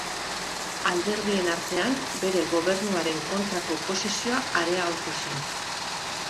Alderdien artean bere gobernuaren kontrako oposizioa areagotu zen.